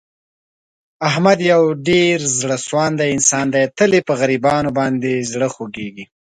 احمد یو ډېر زړه سواندی انسان دی. تل یې په غریبانو باندې زړه خوګېږي.